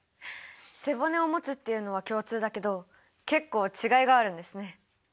背骨をもつっていうのは共通だけど結構違いがあるんですね。